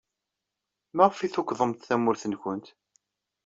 Maɣef ay tukḍemt tamurt-nwent?